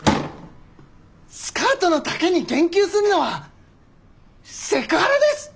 スカートの丈に言及するのはセクハラです！